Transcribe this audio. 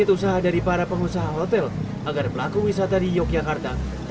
untuk menghadapi covid sembilan belas